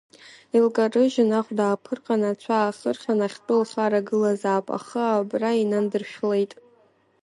Илкарыжьын, ахәда ааԥырҟан, ацәа аахырхын, ахьтәы лхара гылазаап, ахы абра инандыршәлеит.